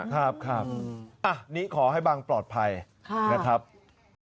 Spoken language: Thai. ครับอันนี้ขอให้บังปลอดภัยนะครับ